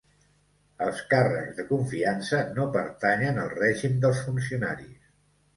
Els càrrecs de confiança no pertanyen al règim dels funcionaris.